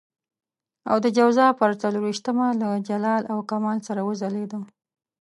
او د جوزا پر څلور وېشتمه له جلال او کمال سره وځلېده.